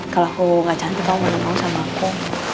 kalo aku gak cantik bapak mau nongol sama aku